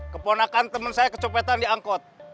keponakan teman saya kecopetan di angkot